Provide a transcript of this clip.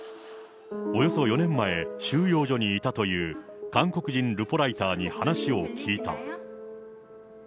およそ４年前、収容所にいたという韓国人ルポライターに話を聞いた。